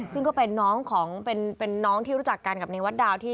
ซึ่งก็เป็นน้องกับเนวัสต์ดาวน์